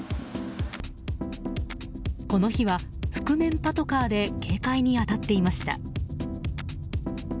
この日は覆面パトカーで警戒に当たっていました。